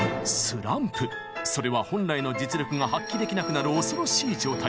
それは本来の実力が発揮できなくなる恐ろしい状態。